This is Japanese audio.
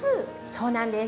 そうなんです。